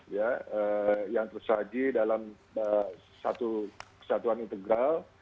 ya yang tersaji dalam satu kesatuan integral